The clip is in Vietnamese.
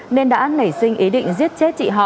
nên đã nảy sinh ý định giết chết chị họ